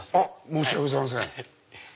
申し訳ございません。